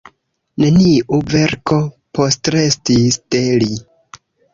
Neniu verko postrestis de li.